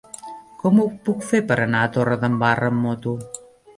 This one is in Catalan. Com ho puc fer per anar a Torredembarra amb moto?